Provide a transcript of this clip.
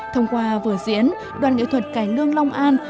thông qua vở diễn đoàn nghệ thuật cải lương long an